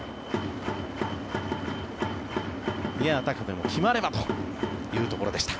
高部も決まればというところでした。